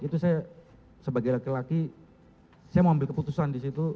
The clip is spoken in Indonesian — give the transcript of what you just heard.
itu saya sebagai laki laki saya mau ambil keputusan di situ